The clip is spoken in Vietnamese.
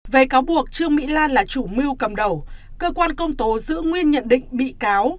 về cáo buộc trương mỹ lan là chủ mưu cầm đầu cơ quan công tố giữ nguyên nhận định bị cáo